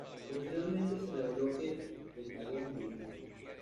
Posteriormente, se reveló que Pentagón Jr.